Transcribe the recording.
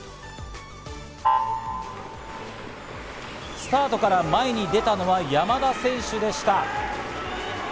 スタートから前に出たのは山田選手でした。